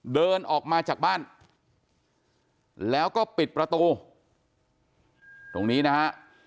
เดินออกมาจากบ้านแล้วก็ปิดประตูตรงนี้นะฮะ